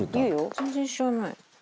全然知らない。